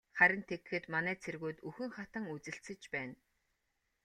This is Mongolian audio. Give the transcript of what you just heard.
Харин тэгэхэд манай цэргүүд үхэн хатан үзэлцэж байна.